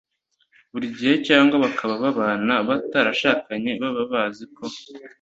buri gihe cyangwa bakaba babana batarashakanye baba bazi ko